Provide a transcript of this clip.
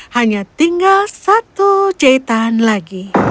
hanya tinggal satu jahitan lagi